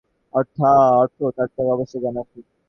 এই দূতাবাস সরানোর ঘোষণার কী অর্থ, তা তাঁর অবশ্যই জানা আছে।